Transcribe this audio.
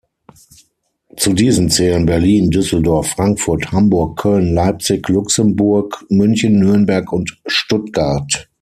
Zu diesen zählen Berlin, Düsseldorf, Frankfurt, Hamburg, Köln, Leipzig, Luxemburg, München, Nürnberg und Stuttgart.